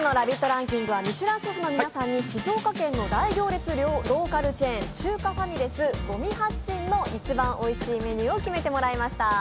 ランキングはミシュランシェフの皆さんに静岡県の大行列ローカルチェーン中華ファミレス、五味八珍の一番おいしいメニューを決めてもらいました。